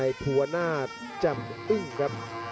มีความรู้สึกว่า